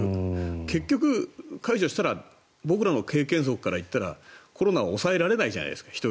結局、解除したら僕らの経験則からいったらコロナを抑えられないじゃないですか。